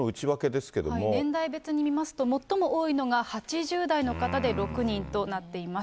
年代別に見ますと、最も多いのが８０代の方で６人となっています。